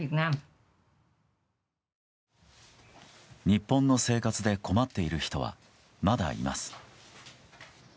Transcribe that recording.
日本の生活で困っている人はまだいます。